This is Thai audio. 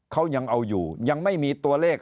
เขายังเอาอยู่ยังไม่มีตัวเลข